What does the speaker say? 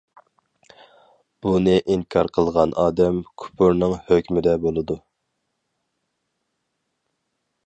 بۇنى ئىنكار قىلغان ئادەم كۇپۇرنىڭ ھۆكمىدە بولىدۇ.